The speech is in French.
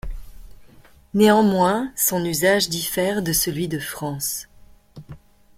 Néanmoins son usage diffère de celui de France.